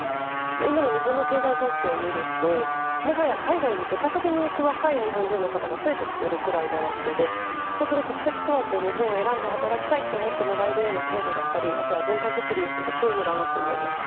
今の日本の経済状況を見るともはや海外に出稼ぎに行く若い方が増えてきているくらいなわけで本当に国籍を問わず日本を選んで働きたいと思ってもらえるような制度だったりあとは文化づくりが急務だなと思います。